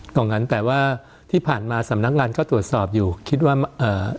ตรงนั้นแต่ว่าที่ผ่านมาสำนักงานก็ตรวจสอบอยู่คิดว่าเอ่อ